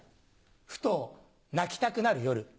ふと泣きたくなる夜。